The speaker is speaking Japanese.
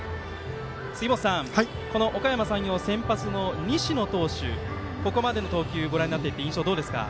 杉本さん、このおかやま山陽先発の西野投手、ここまでの投球ご覧になって印象どうですか。